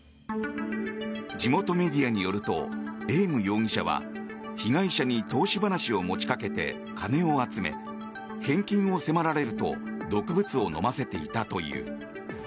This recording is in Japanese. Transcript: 地元メディアによるとエーム容疑者は被害者に投資話を持ちかけて金を集め返金を迫られると毒物を飲ませていたという。